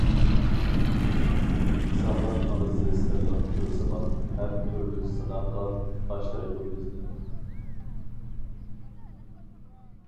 ئىنسانلار ئارىسى سىرلىق تىلسىمات، ھەر تۈرلۈك سىناققا باشلايدۇ بىزنى.